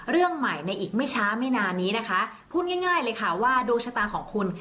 เรื่องใหม่ในอีกไม่ช้าไม่นานนี้นะคะพูดง่ายเลยค่ะว่าดวงชะตาของคุณ